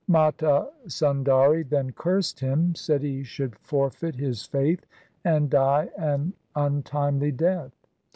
Mata Sundari then cursed him, said he should forfeit his faith, and die an untimely death.